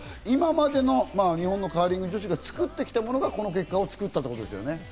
今までの日本のカーリング女子が作ってきたものがこの結果を作ったってことですね。